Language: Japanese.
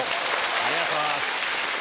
ありがとうございます。